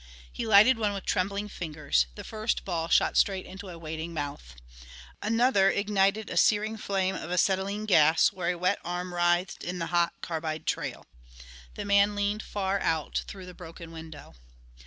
He lighted one with trembling fingers; the first ball shot straight into a waiting mouth. Another ignited a searing flame of acetlylene gas where a wet arm writhed in the hot carbide trail. The man leaned far out through the broken window.